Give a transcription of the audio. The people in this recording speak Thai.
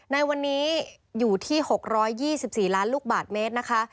ในวันนี้อยู่ที่๖๒๔ล้านลูกบาทเมตรนะคะ